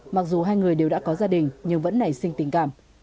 mặc dù hai người đều đã có gia đình nhưng vẫn nảy sinh tình cảm